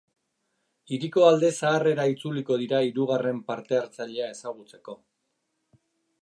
Hiriko alde zaharrera itzuliko dira hirugarren parte-hartzailea ezagutzeko.